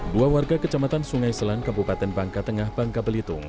dua warga kecamatan sungai selan kabupaten bangka tengah bangka belitung